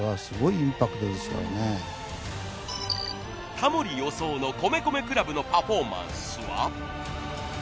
タモリ予想の米米ＣＬＵＢのパフォーマンスは。